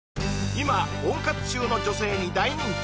今温活中の女性に大人気！